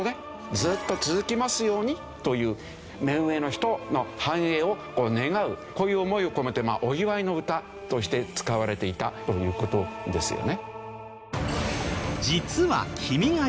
ずーっと続きますようにという目上の人の繁栄を願うこういう思いを込めてお祝いの歌として使われていたという事ですよね。